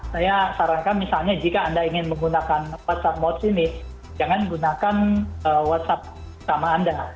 saya sarankan misalnya jika anda ingin menggunakan whatsapp motch ini jangan gunakan whatsapp sama anda